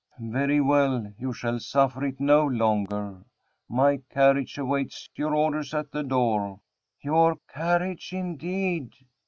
"Very well; you shall suffer it no longer. My carriage awaits your orders at the door." "Your carriage, indeed!"